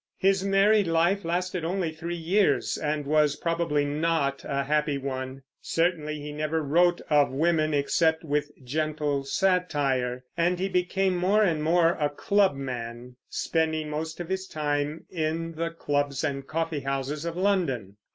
His married life lasted only three years, and was probably not a happy one. Certainly he never wrote of women except with gentle satire, and he became more and more a clubman, spending most of his time in the clubs and coffeehouses of London.